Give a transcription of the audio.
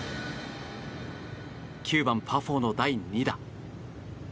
９番、パー４の第２打。